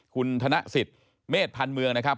คุณธนสิทธิ์เมษพันธ์เมืองนะครับ